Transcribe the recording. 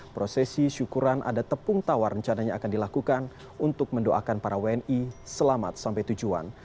prosesi syukuran adat tepung tawar rencananya akan dilakukan untuk mendoakan para wni selamat sampai tujuan